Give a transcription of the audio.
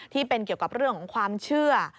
ที่เป็นเกี่ยวกับเรื่องของความเชื่อ